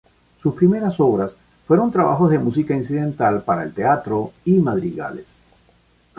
Sus primeras obras fueron trabajos de música incidental para el teatro y madrigales.